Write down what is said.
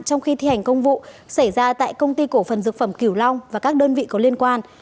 trong khi thi hành công vụ xảy ra tại công ty cổ phần dược phẩm kiểu long và các đơn vị có liên quan